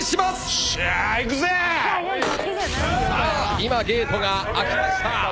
今ゲートが開きました。